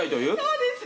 そうです。